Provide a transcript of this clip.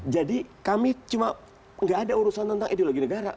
jadi kami cuma tidak ada urusan tentang ideologi negara